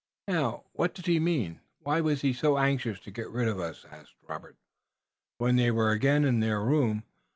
"Now, what did he mean? Why was he so anxious to get rid of us?" asked Robert, when they were again in their room.